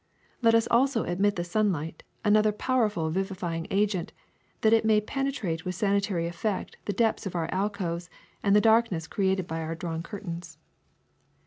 Let us also admit the sunlight, another powerful vivifying agent, that it may pene trate with sanitary effect the depths of our alcoves and the darkness created by our drawn curtains.